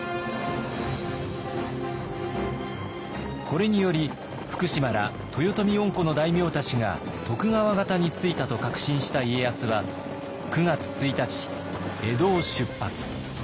これにより福島ら豊臣恩顧の大名たちが徳川方についたと確信した家康は９月１日江戸を出発。